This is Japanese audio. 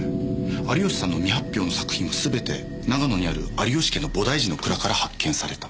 有吉さんの未発表の作品は全て長野にある有吉家の菩提寺の蔵から発見された。